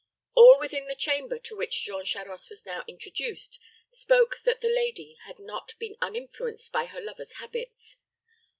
All within the chamber to which Jean Charost was now introduced spoke that the lady had not been uninfluenced by her lover's habits.